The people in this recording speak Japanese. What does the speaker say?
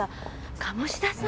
鴨志田さん！